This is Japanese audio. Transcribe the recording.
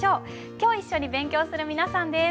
今日一緒に勉強する皆さんです。